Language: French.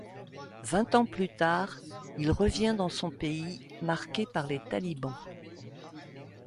Vingt ans plus tard, il revient dans son pays, marqué par les talibans.